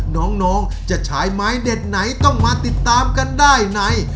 น้องจะใช้ไม้เด็ดไหนต้องมาติดตามกันได้ใน